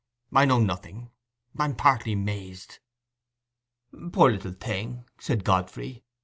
I know nothing—I'm partly mazed." "Poor little thing!" said Godfrey.